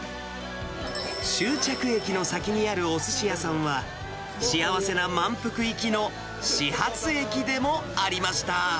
終着駅の先にあるおすし屋さんは、幸せな満腹行きの始発駅でもありました。